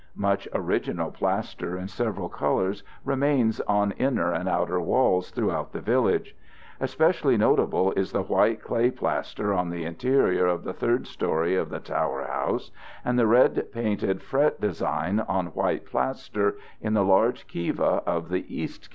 Much original plaster in several colors remains on inner and outer walls throughout the village. Especially notable is the white clay plaster on the interior of the third story of the tower house and the red painted fret design on white plaster in the large kiva of the east cave.